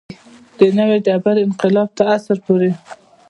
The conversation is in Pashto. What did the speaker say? د نوې ډبرې انقلاب تر عصر پورې.